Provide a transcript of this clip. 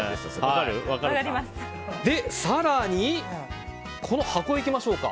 更に、これいきましょうか。